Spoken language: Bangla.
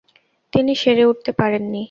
তিনি সেরে উঠতে পারেননি।